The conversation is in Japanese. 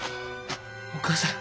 お義母さん